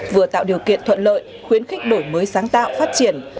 vừa tạo điều kiện thuận lợi khuyến khích đổi mới sáng tạo phát triển